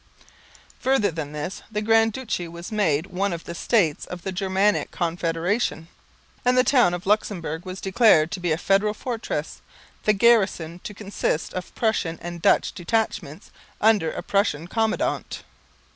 Further than this, the Grand Duchy was made one of the states of the Germanic Confederation; and the town of Luxemburg was declared to be a federal fortress, the garrison to consist of Prussian and Dutch detachments under a Prussian commandant.